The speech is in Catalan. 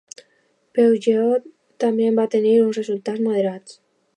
Peugeot també va tenir uns resultats moderats.